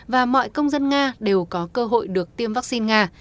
và mọi công dân nga đều có cơ hội được tiêm vaccine nga